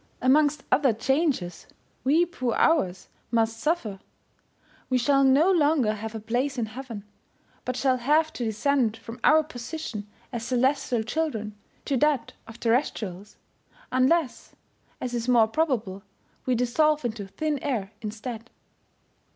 Amongst other changes, we poor Hours must suffer ; we shall no longer have a place in heaven, but shall have to descend from our position as celestial children to that of terrestrials, unless, as is more probable, we dissolve into thin air instead.